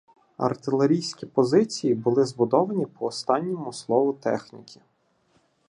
Артилерійські позиції були збудовані по останньому слову техніки.